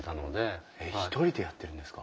えっ１人でやってるんですか？